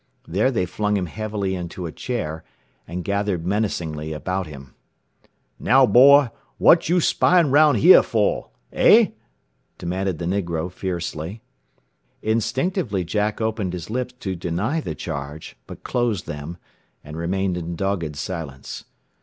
There they flung him heavily into a chair, and gathered menacingly about him. "Now boy, w'at yo' spyin' roun' heah fo'? Eh?" demanded the negro fiercely. Instinctively Jack opened his lips to deny the charge, but closed them, and remained in dogged silence.